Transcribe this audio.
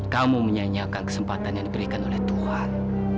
kamu menyanyikan kesempatan yang diberikan oleh tuhan